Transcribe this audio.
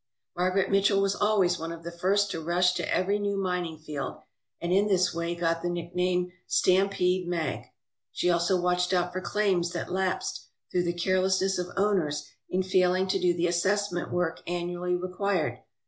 Margaret Mitchell was always one of the first to rush to every new mining field, and in this way got the nickname, "Stampede Mag/' She also watched out for claims that lapsed through the carelessness of owners in failing to do the assessment work annually required.